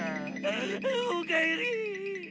あおかえり！